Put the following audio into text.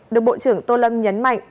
được bộ trưởng tô lâm nhấn mạnh